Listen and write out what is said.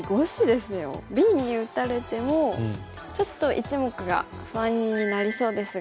Ｂに打たれてもちょっと１目が不安になりそうですが。